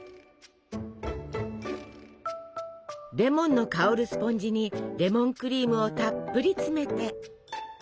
レモンの香るスポンジにレモンクリームをたっぷり詰めて。